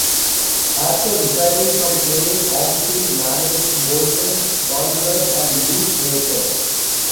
After retiring from playing, Armfield managed Bolton Wanderers and Leeds United.